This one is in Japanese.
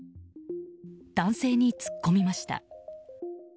男性に突っ込みました。